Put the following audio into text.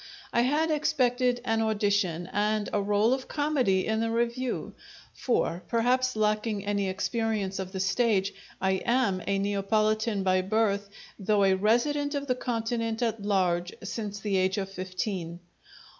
I had expected an audition and a role of comedy in the Revue; for, perhaps lacking any experience of the stage, I am a Neapolitan by birth, though a resident of the Continent at large since the age of fifteen.